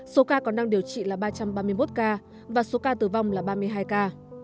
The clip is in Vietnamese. số ca còn đang điều trị là ba trăm ba mươi một ca và số ca tử vong là ba mươi hai ca